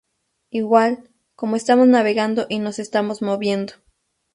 igual, como estamos navegando y nos estamos moviendo